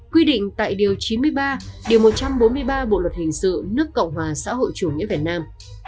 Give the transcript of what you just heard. quy định tại điều chín mươi ba điều một trăm bốn mươi ba bộ luật hình sự nước cộng hòa xã hội chủ nghĩa việt nam